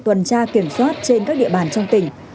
tuần tra kiểm soát trên các địa bàn trong tỉnh